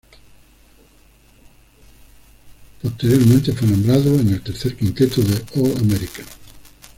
Posteriormente fue nombrado en el tercer quinteto del All-American.